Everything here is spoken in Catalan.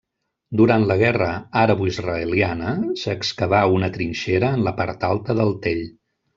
Durant la guerra araboisraeliana s'excavà una trinxera en la part alta del tell.